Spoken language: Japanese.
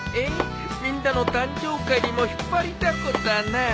みんなの誕生会にも引っ張りだこだな。